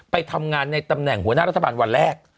ไปทำงานในตำแหน่งหัวหน้ารัฐบาลวันแรก